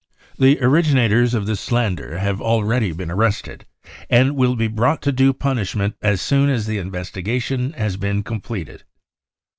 The originators of this slander have already been arrested, and will be brought to due punishment as soon as the investigation has been com pleted.